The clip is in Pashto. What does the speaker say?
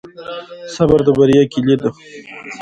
صبر د بریا کلي ده.